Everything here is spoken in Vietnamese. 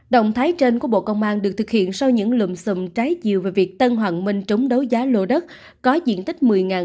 động thái trên của bộ công an được thực hiện sau những lùm xùm trái chiều về việc tân hoàng minh trống đấu giá lô đất